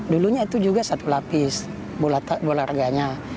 dulunya itu juga satu lapis bola raganya